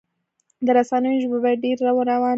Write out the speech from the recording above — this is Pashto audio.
د رسنیو ژبه باید ډیره روانه وي.